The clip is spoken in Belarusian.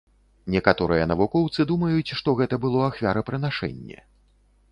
Некаторыя навукоўцы думаюць, што гэта было ахвярапрынашэнне.